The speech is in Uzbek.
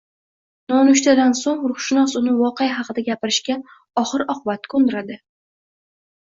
Nonushtadan soʻng ruhshunos uni voqea haqida gapirishga oxir-oqibat koʻndiradi